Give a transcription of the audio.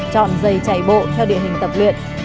chọn giày chạy bộ theo địa hình tập luyện